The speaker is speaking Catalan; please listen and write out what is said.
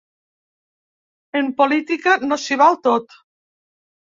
En política no s’hi val tot.